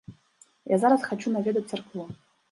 Я зараз хачу наведаць царкву.